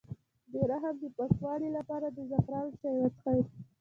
د رحم د پاکوالي لپاره د زعفران چای وڅښئ